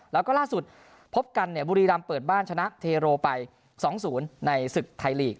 แล้วก็ล่าสุดพบกันบุรีรำเปิดบ้านชนะเทโรไป๒๐ในศึกไทยลีก